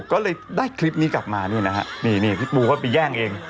ก็เลยได้คลิปนี้กลับมานี่นะครับพี่ปูเขาไปแย่งเอง